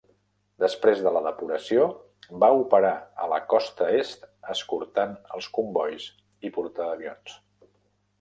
Després de la depuració, va operar a la costa est escortant els combois i portaavions.